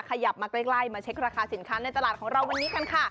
ขยับมาใกล้มาเช็คราคาสินค้าในตลาดของเราวันนี้กันค่ะ